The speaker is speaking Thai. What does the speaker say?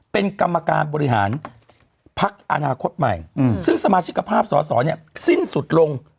เป็นกรรมการบริหารพักอนาคตใหม่ซึ่งสมาชิกภาพสอสอเนี่ยสิ้นสุดลง